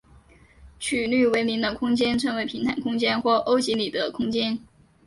曲率为零的空间称为平坦空间或欧几里得空间。